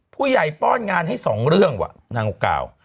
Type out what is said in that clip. ผู้ใหญ่ป้อนงานให้๒เรื่องนางกล่าว